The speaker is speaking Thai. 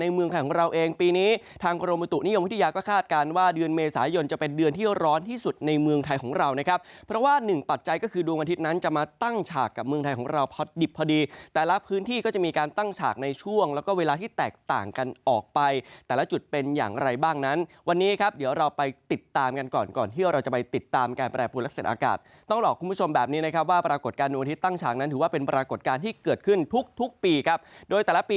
เมืองไทยของเราพอดิบพอดีแต่ละพื้นที่ก็จะมีการตั้งฉากในช่วงแล้วก็เวลาที่แตกต่างกันออกไปแต่ละจุดเป็นอย่างไรบ้างนั้นวันนี้ครับเดี๋ยวเราไปติดตามกันก่อนก่อนที่เราจะไปติดตามการแปรพูดอักเสบอากาศต้องหลอกคุณผู้ชมแบบนี้นะครับว่าปรากฏการณ์วันที่ตั้งฉากนั้นถือว่าเป็นปรากฏการณ์ที่เกิดขึ้นท